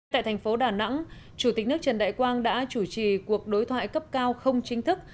tại thành phố đà nẵng chủ tịch nước trần đại quang đã chủ trì cuộc đối thoại cấp cao không chính thức